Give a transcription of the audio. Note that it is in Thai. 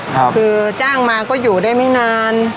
คือจ้างมาก็อยู่ได้ไม่นาน